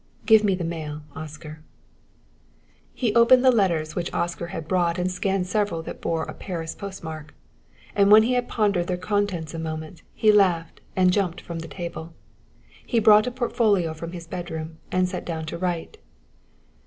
Give me the mail, Oscar." He opened the letters which Oscar had brought and scanned several that bore a Paris postmark, and when he had pondered their contents a moment he laughed and jumped from the table. He brought a portfolio from his bedroom and sat down to write.